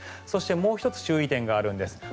そしてもう１つ注意点があるんです。